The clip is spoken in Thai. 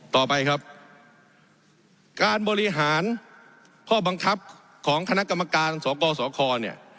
ต่อไปครับการบริหารข้อบังคับของคณะกรรมการสกสคเนี่ย